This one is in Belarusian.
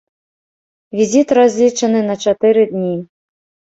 Візіт разлічаны на чатыры дні.